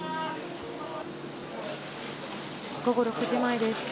午後６時前です。